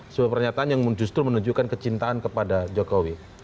sebuah pernyataan yang justru menunjukkan kecintaan kepada jokowi